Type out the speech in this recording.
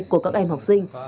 của các em học sinh